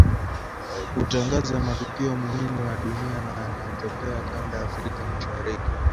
kutangaza matukio muhimu ya dunia na yanayotokea kanda ya Afrika Mashariki